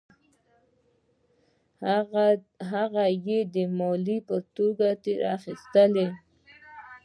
هغه یې د مالیې په توګه ترې اخیستل.